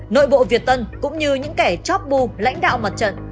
nội bộ việt tân cũng như những kẻ chóp bu lãnh đạo mặt trận